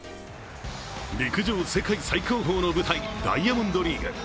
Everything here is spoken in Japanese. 陸上世界最高峰の舞台ダイヤモンドリーグ。